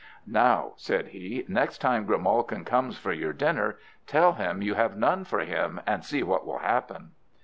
"Now," said he, "next time Grimalkin comes for your dinner, tell him you have none for him, and see what will happen."